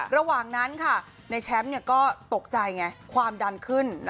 ระหว่างนั้นในแชมป์ก็ตกใจไงความดันขึ้น